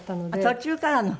途中からの？